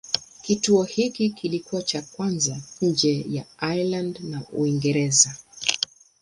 Kituo hiki kilikuwa cha kwanza nje ya Ireland na Uingereza.